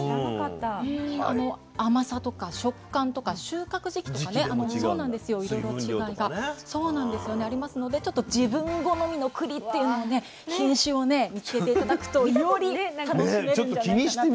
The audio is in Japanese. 甘さとか食感とか収穫時期とかねいろいろ違いがありますので自分好みのくりっていうのをね品種をね見つけて頂くとより楽しめるんじゃないかなと。